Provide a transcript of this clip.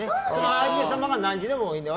相手様が何時でもいいので。